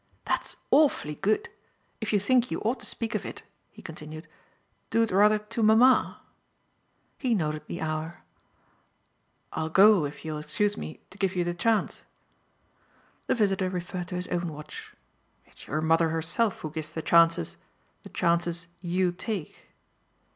"That's awfully good. If you think you ought to speak of it," he continued, "do it rather to mamma." He noted the hour. "I'll go, if you'll excuse me, to give you the chance." The visitor referred to his own watch. "It's your mother herself who gives the chances the chances YOU take."